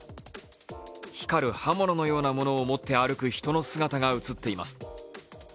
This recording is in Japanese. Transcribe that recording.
光る刃物のようなものを持って歩く人の姿が映っています。